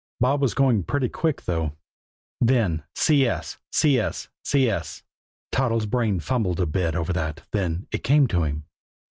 Bob was going pretty quick, though. Then "CS CS CS" Toddles' brain fumbled a bit over that then it came to him.